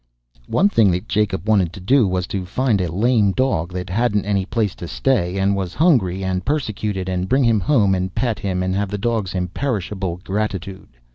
One thing that Jacob wanted to do was to find a lame dog that hadn't any place to stay, and was hungry and persecuted, and bring him home and pet him and have that dog's imperishable gratitude.